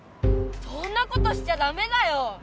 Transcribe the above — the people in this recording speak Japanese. そんなことしちゃダメだよ！